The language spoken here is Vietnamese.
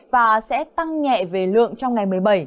và sẽ tăng nhẹ về lượng trong ngày một mươi bảy